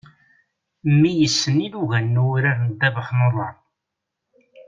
Mmi yessen ilugan n wurar n ddabex n uḍar.